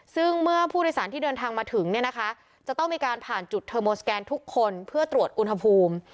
ซึ่งเมื่อผู้โดยสารที่เดินทางมาถึงเนี่ยนะคะจะต้องมีการผ่านจุดเทอร์โมสแกนทุกคนเพื่อตรวจอุณหภูมิ